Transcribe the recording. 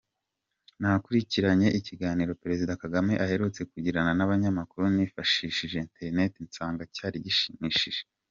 Nakurikiranye ikiganiro Perezida Kagame aherutse kugirana n’abanyamakuru nifashishije internet, nsanga cyari gishimishije.